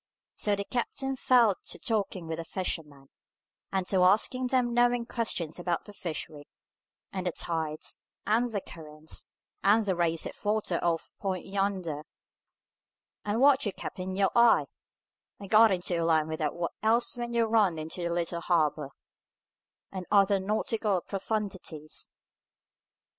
So the captain fell to talking with the fishermen, and to asking them knowing questions about the fishery, and the tides, and the currents, and the race of water off that point yonder, and what you kept in your eye, and got into a line with what else when you ran into the little harbour; and other nautical profundities.